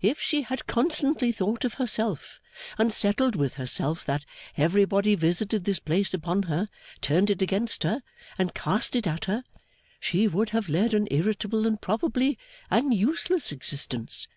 'If she had constantly thought of herself, and settled with herself that everybody visited this place upon her, turned it against her, and cast it at her, she would have led an irritable and probably an useless existence.